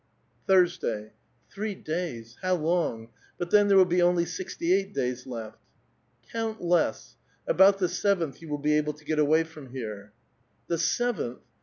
*■ Thursda3'." .*■ Three days ; how long ! But then there will be only »^ty.eight days left." * Count less ; about the seventh you will be able to get *^^y from here." •^^'The seventh?